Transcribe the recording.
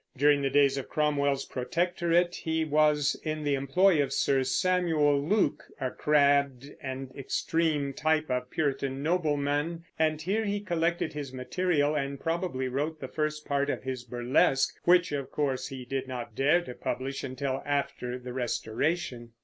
During the days of Cromwell's Protectorate he was in the employ of Sir Samuel Luke, a crabbed and extreme type of Puritan nobleman, and here he collected his material and probably wrote the first part of his burlesque, which, of course, he did not dare to publish until after the Restoration.